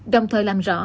đồng thời làm rõ